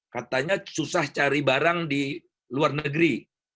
katanya susah cari barang di luar negeri